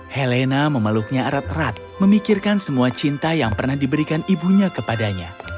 helena memeluknya erat erat memikirkan semua cinta yang pernah diberikan ibunya kepadanya